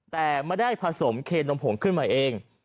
แต่ไม่ได้ผสมเคนมผงขึ้นมาเอง